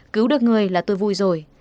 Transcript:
cứu được người là tôi vui rồi